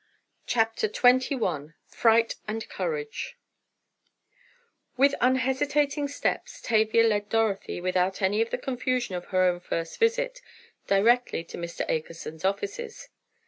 CHAPTER XXI FRIGHT AND COURAGE With unhesitating steps, Tavia led Dorothy, without any of the confusion of her own first visit, directly to Mr. Akerson's offices.